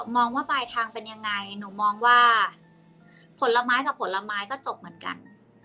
มองว่าปลายทางเป็นยังไงหนูมองว่าผลไม้กับผลไม้ก็จบเหมือนกัน